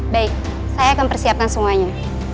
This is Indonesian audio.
baik saya akan persiapkan semuanya